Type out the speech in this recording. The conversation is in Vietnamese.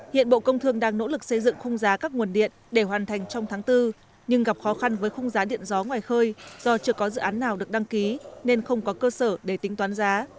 hiện bộ công thương đang nỗ lực xây dựng khung giá các nguồn điện để hoàn thành trong tháng bốn nhưng gặp khó khăn với khung giá điện gió ngoài khơi do chưa có dự án nào được đăng ký nên không có cơ sở để tính toán giá